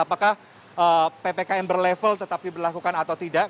apakah ppkm berlevel tetapi berlakukan atau tidak